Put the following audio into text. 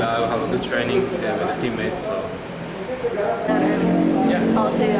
semoga saya bisa berlatih dengan teman teman